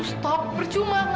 tapi itu hospital perusahaan pink